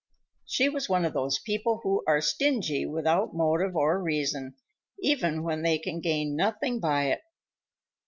She was one of those people who are stingy without motive or reason, even when they can gain nothing by it.